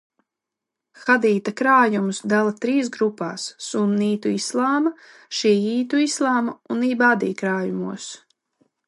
Hadīta krājumus dala trīs grupās – sunnītu islāma, šiītu islāma un ibadi krājumos.